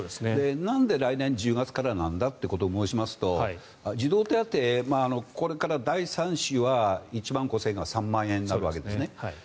なんで来年１０月からなんだということを申しますと児童手当、これから第３子は１万５０００円が３万円になるわけですね。